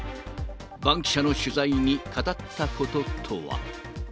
バンキシャの取材に語ったこととは。